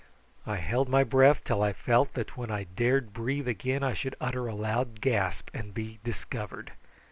I held my breath till I felt that when I breathed again I should utter a loud gasp and be discovered.